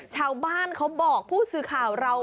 ชาวบ้านเขาบอกผู้สื่อข่าวเรา